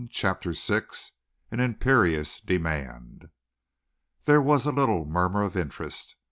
CHAPTER VI AN IMPERIOUS DEMAND There was a little murmur of interest.